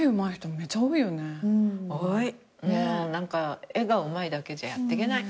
もう何か絵がうまいだけじゃやってけない。